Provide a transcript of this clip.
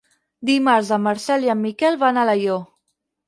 Dimarts en Marcel i en Miquel van a Alaior.